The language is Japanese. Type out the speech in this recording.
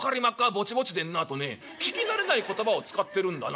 『ぼちぼちでんな』とね聞き慣れない言葉を使ってるんだな。